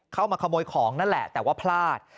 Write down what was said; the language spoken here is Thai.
เข้ามาขโมยของนั่นแหละแต่ว่าพลาด